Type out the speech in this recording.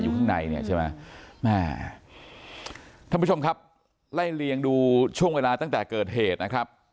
ข้างในเนี่ยใช่ไหมแม่ท่านผู้ชมครับไล่เลียงดูช่วงเวลาตั้งแต่เกิดเหตุนะครับ